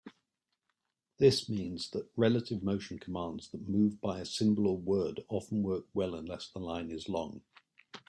This means that relative motion commands that move by a symbol or word often work well unless the line is long.